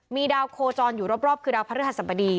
มีดาวโคจรอยู่รอบคือดาวพระฤหัสบดี